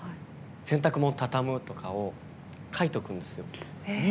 洗濯物を畳むとかを書いておくんですよ。